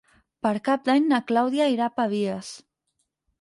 Per Cap d'Any na Clàudia irà a Pavies.